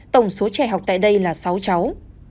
tổng số trẻ học tại đây là sáu cháu